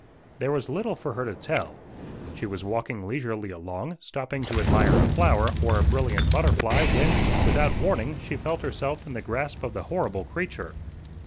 There was little for her to tell. She was walking leisurely along, stopping to admire a flower or a brilliant butterfly, when, without warning, she felt herself in the grasp of the horrible creature.